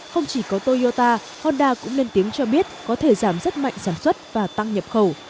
không chỉ có toyota honda cũng lên tiếng cho biết có thể giảm rất mạnh sản xuất và tăng nhập khẩu